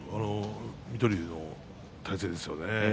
水戸龍の体勢ですよね。